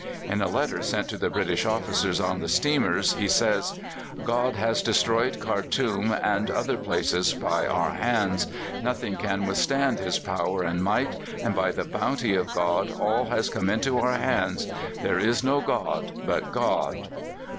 In a letter sent to the British officers on the steamers he says: "God has destroyed Khartoum and other places by our hands. Nothing can withstand His power and might, and by the bounty of God all has come into our hands. There is no God but God.